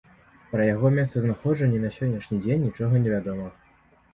Пра яго месцазнаходжанне на сённяшні дзень нічога не вядома.